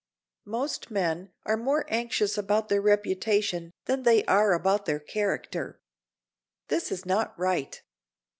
Most men are more anxious about their reputation than they are about their character. This is not right.